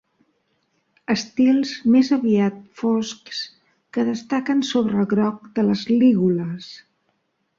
Estils més aviat foscs que destaquen sobre el groc de les lígules.